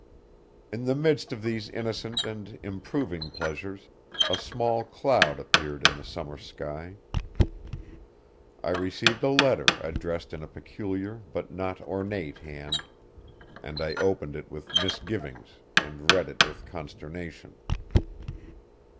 In the midst of these innocent and improving pleasures a small cloud appeared in the summer sky. I received a letter addressed in a peculiar but not ornate hand, and I opened it with misgivings and read it with consternation.